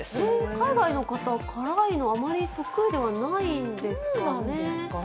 海外の方、辛いの、あまり得意ではないんですかね。